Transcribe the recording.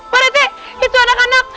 pak rete itu anak anak